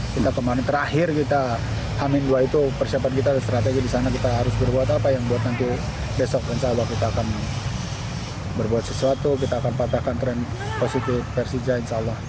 kita kemarin terakhir kita hamin dua itu persiapan kita ada strategi di sana kita harus berbuat apa yang buat nanti besok insya allah kita akan berbuat sesuatu kita akan patahkan tren positif persija insya allah